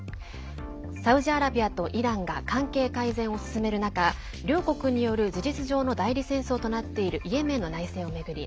サウジアラビアとイランが関係改善を進める中両国による事実上の代理戦争となっているイエメンの内戦を巡り